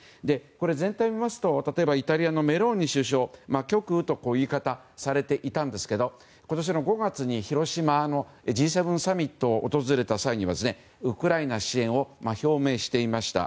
全体を見ますと例えばイタリアのメローニ首相は極右という言い方をされていたんですが今年の５月に、広島のＧ７サミットを訪れた際にはウクライナ支援を表明していました。